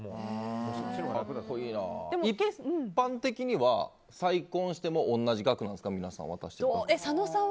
でも一般的には再婚しても同じ額なんですか皆さん。